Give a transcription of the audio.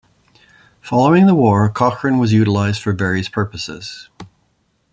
Following the war, Cochran was utilized for various purposes.